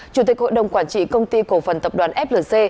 chủ tịch hội đồng quản trị công ty cổ phần tập đoàn flc